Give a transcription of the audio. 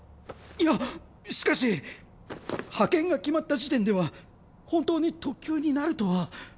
いやしかし派遣が決まった時点では本当に特級になるとは。